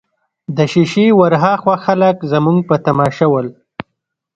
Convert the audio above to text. د شېشې ورهاخوا خلک زموږ په تماشه ول.